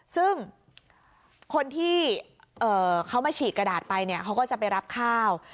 ซึ่งคนที่เขามาฉีกกระดาษไปเนี่ยเขาก็จะไปรับข้าว